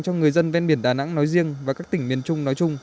cho người dân ven biển đà nẵng nói riêng và các tỉnh miền trung nói chung